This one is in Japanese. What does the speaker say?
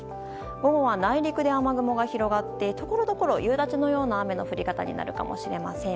午後は内陸で雨雲が広がってところどころで夕立のような雨の降り方になるかもしれません。